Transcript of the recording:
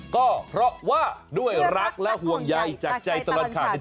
ก็เพราะว่าด้วยรักและห่วงใยจากใจตลอดข่าวนี้